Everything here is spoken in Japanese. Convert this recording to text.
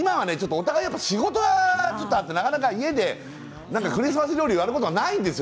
お互い仕事があってなかなか家でクリスマス料理をやることがないんですよ。